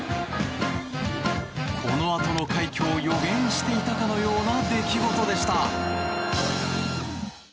このあとの快挙を予言していたかのような出来事でした。